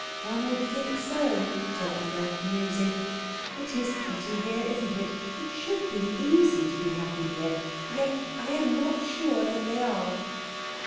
"One would think so," said Anna, musing. "It is pretty here, isn't it it should be easy to be happy here, yet I am not sure that they are."